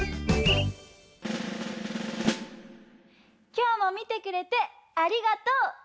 きょうもみてくれてありがとう！